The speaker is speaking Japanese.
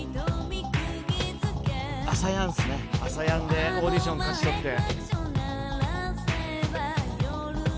『ＡＳＡＹＡＮ』でオーディション勝ち取って。